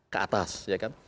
ke atas ya kan